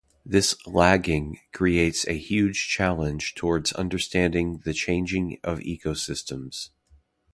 This "lagging" creates a huge challenge towards understanding the changing of ecosystems.